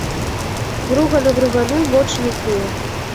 Груган гругану вочы не клюе.